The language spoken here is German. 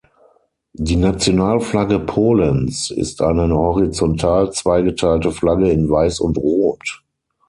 Die Nationalflagge Polens ist eine horizontal zweigeteilte Flagge in Weiß und Rot.